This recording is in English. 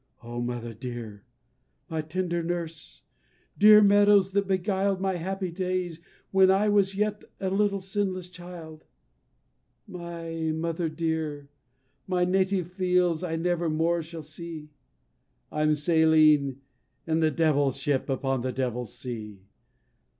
Oh, mother dear! my tender nurse! dear meadows that beguil'd My happy days, when I was yet a little sinless child, My mother dear my native fields, I never more shall see: I'm sailing in the Devil's Ship, upon the Devil's Sea!"